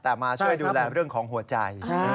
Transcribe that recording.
แต่มาช่วยดูแลเรื่องของหัวใจ